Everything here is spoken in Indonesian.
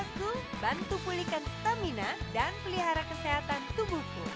untuk aktivitasku bantu pulihkan stamina dan pelihara kesehatan tubuhku